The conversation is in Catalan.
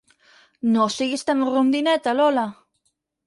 No siguis tan rondineta, Lola.